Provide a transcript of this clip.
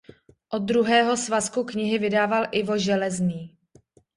Od druhého svazku knihy vydával Ivo Železný.